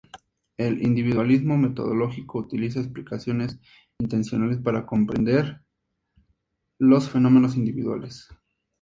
El individualismo metodológico utiliza explicaciones intencionales para comprender los fenómenos individuales.